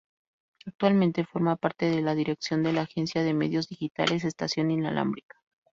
Actualmente forma parte de la dirección de la agencia de medios digitales Estación Inalámbrica.